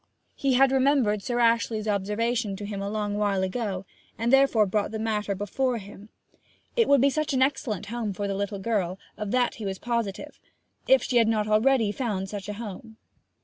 He had remembered Sir Ashley's observation to him a long while ago, and therefore brought the matter before him. It would be an excellent home for the little girl of that he was positive if she had not already found such a home.